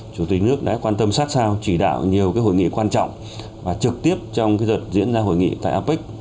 chủ tịch nước đã quan tâm sát sao chỉ đạo nhiều hội nghị quan trọng và trực tiếp trong đợt diễn ra hội nghị tại apec